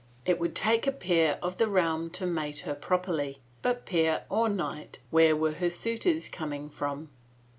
It would take a peer of the realm to mate her properly, but peer or knight, where were her suitors coming from